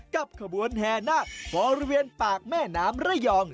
กับขบวนแห่นาคบริเวณปากแม่น้ำระยอง